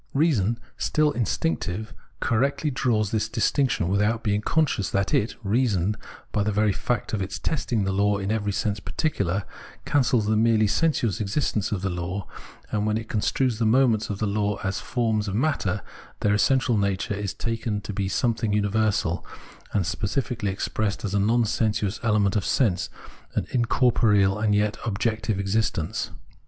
Reason, still instinctive, correctly draws this distinction without being conscious that it (reason), by the very fact of its testing the law in every sense particular, cancels the merely sensuous existence of the law ; and, when it construes the mo ments of the law as forms of matter, their essential natuje is taken to be something universal, and specifi cally expressed as a non sensuous element of sense, an incorporeal and yet objective existence.